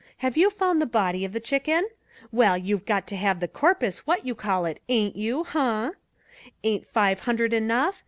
Have you found the body of the Chicken? Well, you got to have the corpus what you call it, ain't you? Huh? Ain't five hundred enough?